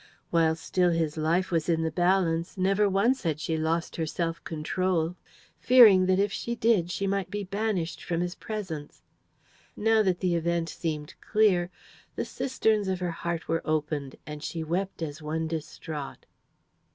While still his life was in the balance, never once had she lost her self control, fearing that if she did she might be banished from his presence. Now that the event seemed clear, the cisterns of her heart were opened, and she wept as one distraught.